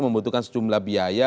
membutuhkan sejumlah biaya